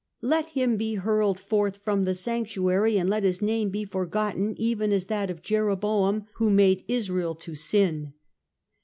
" Let him be hurled forth from the sanctuary, and let his name be forgotten, even as that of Jeroboam who made Israel to sin."